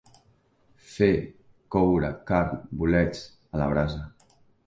Fer, coure, carn, bolets, a la brasa.